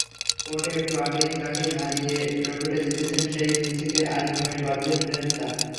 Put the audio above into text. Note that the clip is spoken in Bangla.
কোর্টে একটু আগেই যাঁকে হারিয়ে ট্রফিটা জিতেছেন, সেই ভিঞ্চিকে আলিঙ্গনে বাঁধলেন পেনেত্তা।